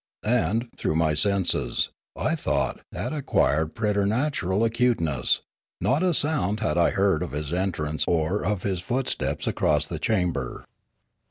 And, though my senses, I thought, had acquired preternatural acuteness, not a sound had I heard of his entrance or of his footsteps across the chamber.